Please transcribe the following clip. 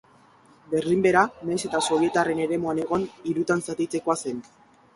Berlin bera, nahiz eta sobietarren eremuan egon, hirutan zatitzekoa zen.